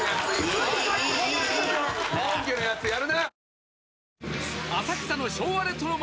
本家のやつやるな！